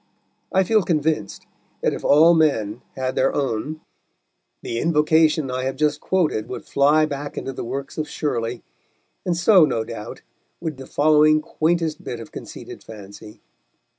I feel convinced that if all men had their own, the invocation I have just quoted would fly back into the works of Shirley, and so, no doubt, would the following quaintest bit of conceited fancy.